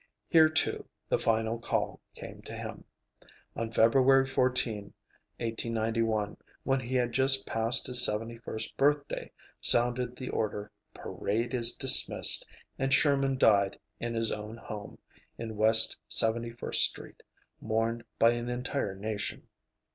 Here, too, the final call came to him. On February 14, 1891, when he had just passed his seventy first birthday, sounded the order "parade is dismissed," and Sherman died in his own home, in West Seventy first Street, mourned by an entire nation.